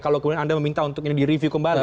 kalau kemudian anda meminta untuk ini di review kembali